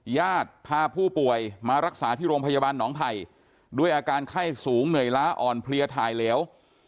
ญาติพาผู้ป่วยมารักษาที่โรงพยาบาลหนองไผ่ด้วยอาการไข้สูงเหนื่อยล้าอ่อนเพลียถ่ายเหลว